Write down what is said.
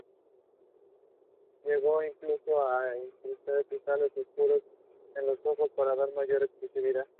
Se llegó incluso a incrustar cristales oscuros en los ojos, para dar mayor expresividad.